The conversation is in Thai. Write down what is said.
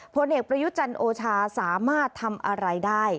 ผลเอกประยุจันทร์โอชาสามารถทำอะไรได้